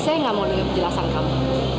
saya gak mau denger perjelasan kamu